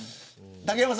竹山さん